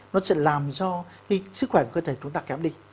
nó sẽ làm cho cái sức khỏe của cơ thể chúng ta kém đi